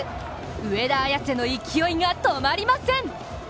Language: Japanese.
上田綺世の勢いが止まりません。